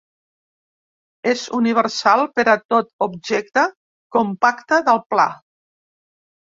És universal per a tot objecte compacte del pla.